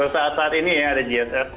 saat saat ini ya ada gsr